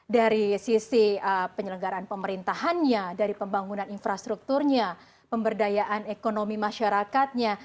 dari sisi penyelenggaraan pemerintahannya dari pembangunan infrastrukturnya pemberdayaan ekonomi masyarakatnya